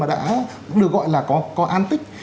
được gọi là có an tích